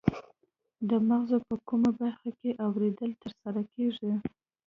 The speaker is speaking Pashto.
د مغزو په کومه برخه کې اوریدنه ترسره کیږي